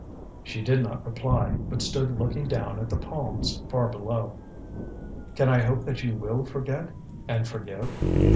She did not reply, but stood looking down at the palms far below. "Can I hope that you will forget and forgive?"